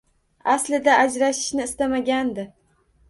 Aslida, ajrashishni istamagandi